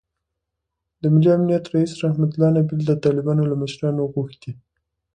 د ملي امنیت رییس رحمتالله نبیل د طالبانو له مشرانو غوښتي